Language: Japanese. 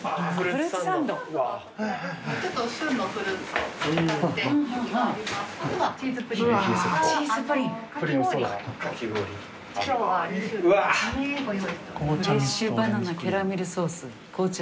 フレッシュバナナキャラメルソース。